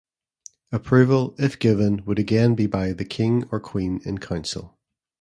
Approval, if given, would again be by the King or Queen in Council.